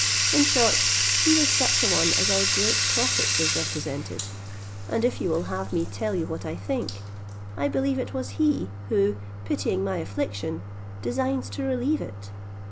In short, he was such a one as our great prophet is represented; and if you will have me tell you what I think, I believe it was he, who, pitying my affliction, designs to relieve it.